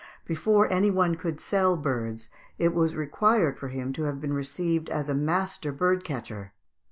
Before any one could sell birds it was required for him to have been received as a master bird catcher.